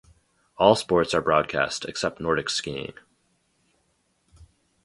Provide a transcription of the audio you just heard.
All sports are broadcast except Nordic skiing.